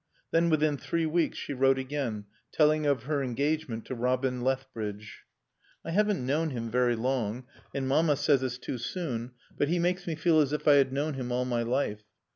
Then within three weeks she wrote again, telling of her engagement to Robin Lethbridge. "... I haven't known him very long, and Mamma says it's too soon; but he makes me feel as if I had known him all my life.